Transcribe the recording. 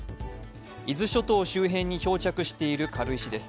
伊豆諸島周辺に漂着している軽石です。